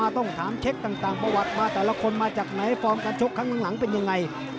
ตามประวัติมาแต่ละคนมาจากไหนฟอร์มการโชคข้างหลังเป็นยังไง